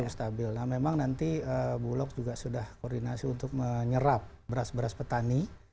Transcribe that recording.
nah memang nanti bulog juga sudah koordinasi untuk menyerap beras beras petani